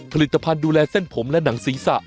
ผลิตภัณฑ์ดูแลเส้นผมและหนังศีรษะ